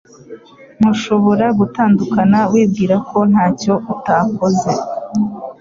Mushobora gutandukana wibwira ko ntacyo utakoze